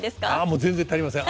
もう全然足りません。